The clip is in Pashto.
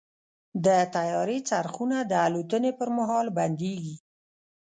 د طیارې څرخونه د الوتنې پر مهال بندېږي.